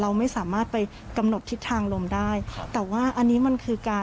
เราไม่สามารถไปกำหนดทิศทางลมได้แต่ว่าอันนี้มันคือการ